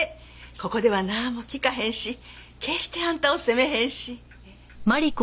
ここではなんも聞かへんし決してあんたを責めへんし。